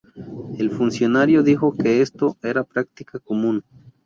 El funcionario dijo que esto era práctica común.